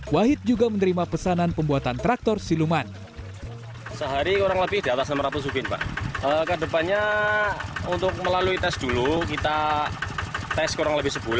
wahid juga menerima pesanan pembuatan traktor siluman